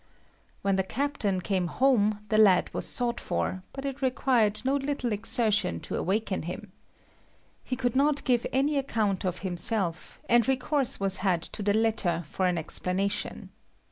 When the captain came home the lad was sought for, but it required no little exertion to awaken him. He could not give any account of himself, and recourse was had to the letter for an explanation.